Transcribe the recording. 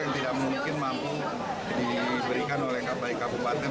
yang tidak mungkin mampu diberikan oleh kabupaten